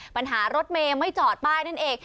ปัญหารถเมไม่จอดป้ายนั่นเอง